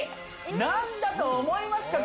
なんだと思いますか？